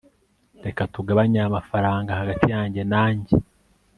reka tugabanye aya mafranga hagati yanjye nanjye